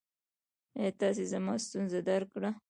ایا تاسو زما ستونزه درک کړه؟